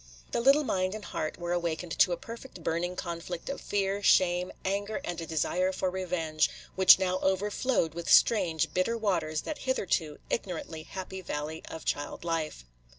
The little mind and heart were awakened to a perfect burning conflict of fear, shame, anger, and a desire for revenge, which now overflowed with strange, bitter waters that hitherto ignorantly happy valley of child life.